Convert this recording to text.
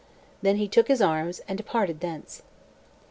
Then he took his arms, and departed thence.